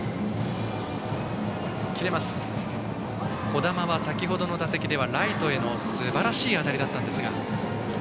樹神は、先程の打席ではライトへのすばらしい当たりだったんですが。